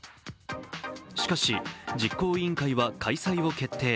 しかし、実行委員会は開催を決定。